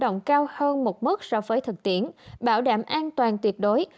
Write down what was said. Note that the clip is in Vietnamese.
động cao hơn một mức so với thực tiễn bảo đảm an toàn tuyệt đối